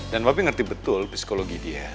dan papi ngerti betul psikologi dia